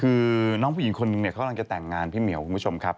คือน้องผู้หญิงคนนึงเนี่ยเขากำลังจะแต่งงานพี่เหมียวคุณผู้ชมครับ